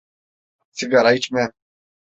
Sigara içmem.